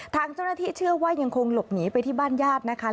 ทางเจ้าหน้าที่เชื่อว่ายังคงหลบหนีไปที่บ้านญาตินะคะ